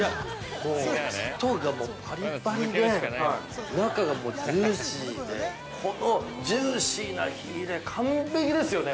◆もう外がパリパリで、中がもうジューシーで、このジューシーな火入れ、完璧ですよね。